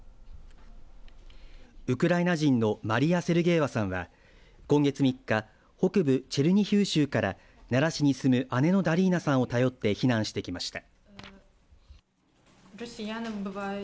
ウクライナ人のマリア・セルゲエワさんは今月３日北部チェルニヒウ州から奈良市に住む姉のダリーナさんを頼って避難してきました。